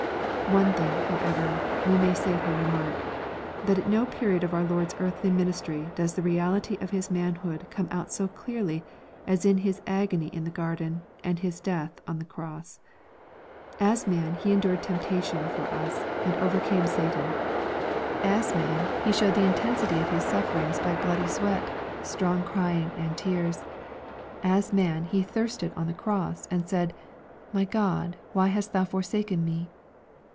One thing, however, we may safely remark, that at no period x)f our Lord's earthly ministry does the reality of His manhood /come out so clearly as in His agony in the garden, and Hia I death on the cross. As man, He endured temptation for us, ftcd overcame Satan. As man, He showed the intensity of His 426 EXPOSITORY THOUGHTS. sufl'erings by bloody sweat, strong crying and tears. As man H« I thirsted on the croirS, and said, " My God, why hast thou forsaken / me